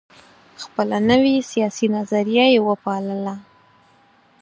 خپله نوي سیاسي نظریه یې وپالله.